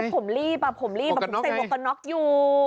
ผมรีบอ่ะผมรีบผมเส้นโอกาน็อกอยู่